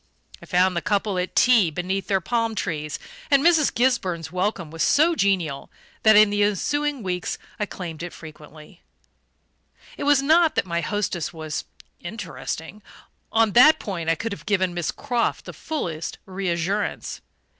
I found the couple at tea beneath their palm trees; and Mrs. Gisburn's welcome was so genial that, in the ensuing weeks, I claimed it frequently. It was not that my hostess was "interesting": on that point I could have given Miss Croft the fullest reassurance.